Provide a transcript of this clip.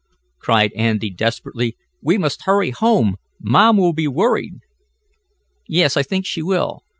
cried Andy desperately. "We must hurry home. Mom will be worried." "Yes, I think she will.